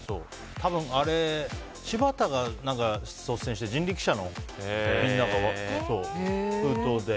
多分、あれ柴田が率先して人力舎のみんなが封筒で。